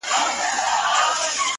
اروا مي مستانه لکه منصور دی د ژوند;